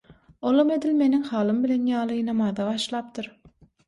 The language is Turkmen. Olam edil meniň halymy bilen ýaly namaza başlapdyr.